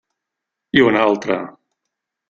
I una altra.